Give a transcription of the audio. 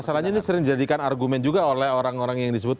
masalahnya ini sering dijadikan argumen juga oleh orang orang yang disebut